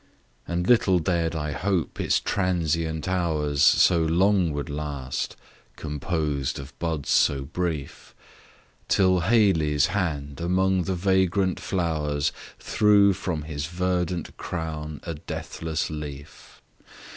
And little dared I hope its transient hours So long would last; composed of buds so brief; Till Hayley's hand among the vagrant flowers, Threw from his verdant crown a deathless leaf.